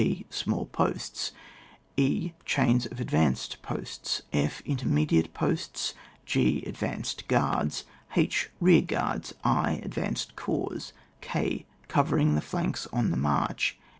d. Small posts, e. Chains of ad vanced posts. /. Intermediate posts. g. Advanced guards. A. Bear guards, i. Advanced corps, k. cover ing the flanks on the march.